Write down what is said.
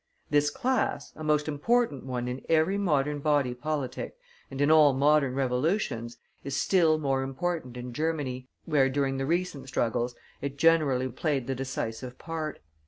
This class, a most important one in every modern body politic, and in all modern revolutions, is still more important in Germany, where, during the recent struggles, it generally played the decisive part.